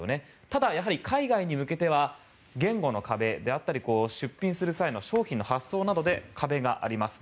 ただ、海外に向けては言語の壁であったり出品する際の商品の発送などで壁があります。